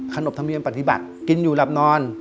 ขนบธรรมเนียมปฏิบัติกินอยู่หลับนอน